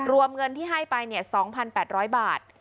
รวมเงินที่ให้ไป๒๘๐๐บาท